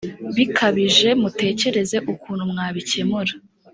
bikabije mutekereze ukuntu mwabikemura